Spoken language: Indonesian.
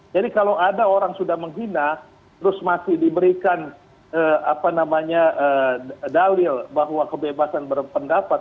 jadi kalau ada orang sudah menghina terus masih diberikan dalil bahwa kebebasan berpendapat